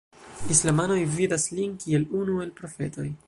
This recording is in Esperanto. Islamanoj vidas lin kiel unu el profetoj.